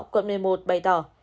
quận một mươi một bày tỏ